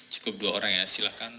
cukup dua orang ya silahkan